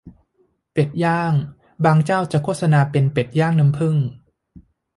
เป็ดย่าง บางเจ้าจะโฆษณาเป็นเป็ดย่างน้ำผึ้ง